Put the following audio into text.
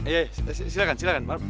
iya silahkan silahkan